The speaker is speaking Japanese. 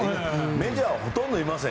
メジャーはほとんどいません。